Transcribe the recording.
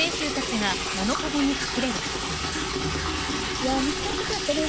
いや見つかるとこやったね。